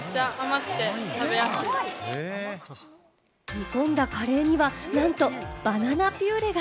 煮込んだカレーには、なんとバナナピューレが！